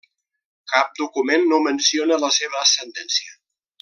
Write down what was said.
Cap document no menciona la seva ascendència.